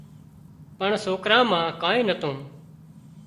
پڻ سوڪرا مان ڪانين نتون